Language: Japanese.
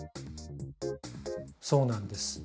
そうなんです。